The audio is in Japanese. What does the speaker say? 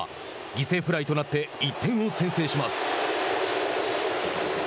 犠牲フライとなって１点を先制します。